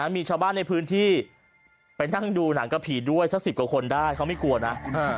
มีชาวบ้านในพื้นที่ไปนั่งดูหนังกะผีด้วยสัก๑๐กว่าคนได้เขาไม่กลัวนะ